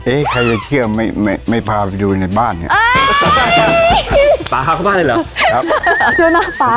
เอ๊ะใครจะเที่ยวไม่พาไปดูในบ้านเนี่ย